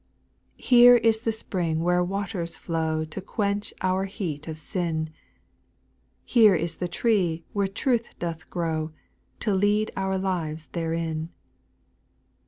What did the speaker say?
2. Here is the spring where waters flow To quench our heat of sin ; Here is the tree where truth doth grow, To lead our lives therein.